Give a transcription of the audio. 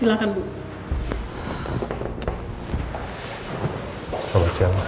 ini animationsnya alexi yang hargai